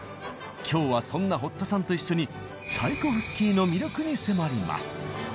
今日はそんな堀田さんと一緒にチャイコフスキーの魅力に迫ります。